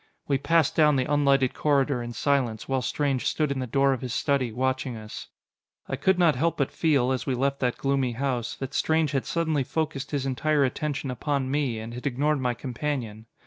We passed down the unlighted corridor in silence, while Strange stood in the door of his study, watching us. I could not help but feel, as we left that gloomy house, that Strange had suddenly focused his entire attention upon me, and had ignored my companion.